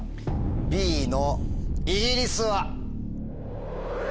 Ｂの「イギリス」は。